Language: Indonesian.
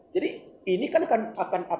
jadi ini kan akan berdampak